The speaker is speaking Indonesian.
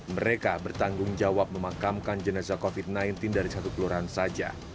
mereka bertanggung jawab memakamkan jenazah covid sembilan belas dari satu kelurahan saja